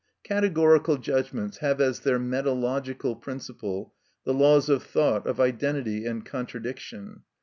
Categorical judgments have as their metalogical principle the laws of thought of identity and contradiction.